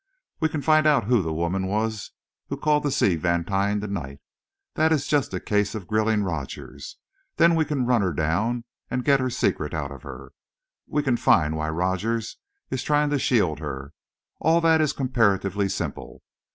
We can find out who the woman was who called to see Vantine to night that is just a case of grilling Rogers; then we can run her down and get her secret out of her. We can find why Rogers is trying to shield her. All that is comparatively simple.